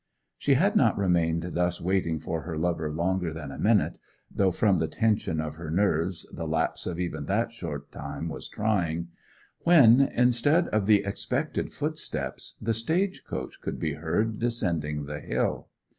She had not remained thus waiting for her lover longer than a minute—though from the tension of her nerves the lapse of even that short time was trying—when, instead of the expected footsteps, the stage coach could be heard descending the hill.